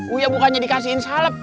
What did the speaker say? wia bukannya dikasihin salep